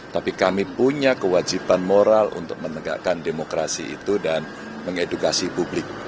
tapi kami punya kewajiban moral untuk menegakkan demokrasi itu dan mengedukasi publik